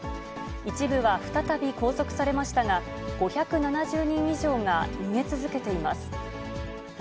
一部は再び拘束されましたが、５７０人以上が逃げ続けています。